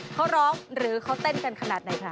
เขาร้องหรือเขาเต้นกันขนาดไหนคะ